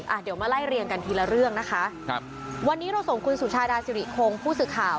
อ่ะเดี๋ยวมาไล่เรียงกันทีละเรื่องนะคะครับวันนี้เราส่งคุณสุชาดาสิริคงผู้สื่อข่าว